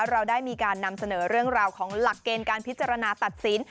เราได้มีการนำเสนอเรื่องราวของหลักเกณฑ์การพิจารณาตัดสิน